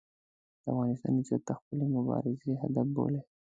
د افغانستان عزت د خپلې مبارزې هدف بولي.